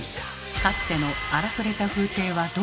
かつての荒くれた風体はどこへやら。